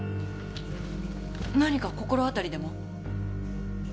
何か心当たりでも？